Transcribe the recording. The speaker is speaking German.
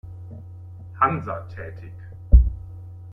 Hansa tätig.